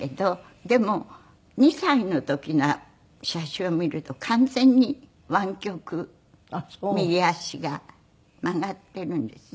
でも２歳の時の写真を見ると完全に湾曲右足が曲がっているんです。